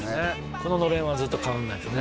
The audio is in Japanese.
こののれんはずっと変わんないですね